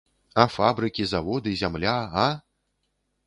А фабрыкі, заводы, зямля, а?